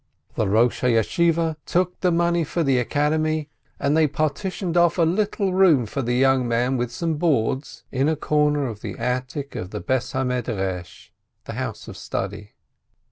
The Eosh ha Yeshiveh took the money for the Academy, and they partitioned off a little room for the young man with some boards, in a corner of the attic of the house of study.